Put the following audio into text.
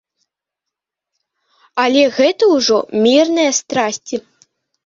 Але гэта ўжо мірныя страсці.